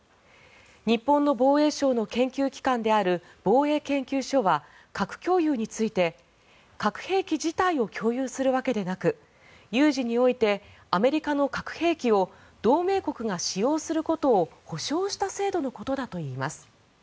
日本の防衛省の研究機関である防衛研究所は核共有について核兵器自体を共有するわけでなく有事においてアメリカの核兵器を同盟国が使用することを保証した制度のことだといいます。